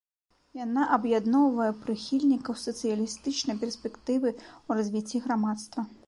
Яна аб'ядноўвае прыхільнікаў сацыялістычнай перспектывы ў развіцці грамадства.